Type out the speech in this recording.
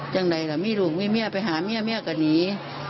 ยังไงล่ะมีลูกมีแม่ไปหาแม่แม่ก็หนี